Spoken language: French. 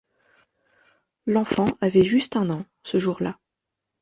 L’enfant avait juste un an, ce jour là.